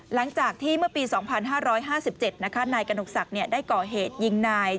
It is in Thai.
หลังจากที่เมื่อปี๒๕๕๗นะคะนายกนกศักดิ์ได้ก่อเหตุยิงนาย